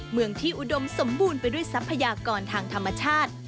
เมืองที่อุดมสมบูรณ์ไปด้วยทรัพยากรทางธรรมชาติ